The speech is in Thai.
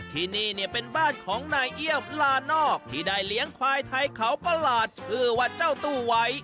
ที่นี่เนี่ยเป็นบ้านของนายเอี่ยมลานอกที่ได้เลี้ยงควายไทยเขาประหลาดชื่อว่าเจ้าตู้ไว้